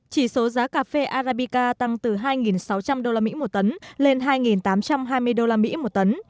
chỉ số giá cà phê arabica tăng từ hai sáu trăm linh đô la mỹ một tấn lên hai tám trăm hai mươi đô la mỹ một tấn